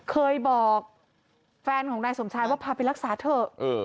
เคยบอกแฟนของนายสมชายว่าพาไปรักษาเถอะ